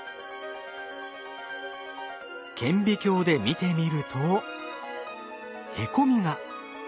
顕微鏡で見てみるとへこみが。